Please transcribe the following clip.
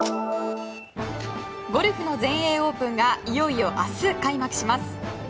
ゴルフの全英オープンがいよいよ明日開幕します。